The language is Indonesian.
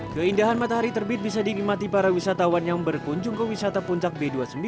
keindahan matahari terbit bisa dinikmati para wisatawan yang berkunjung ke wisata puncak b dua puluh sembilan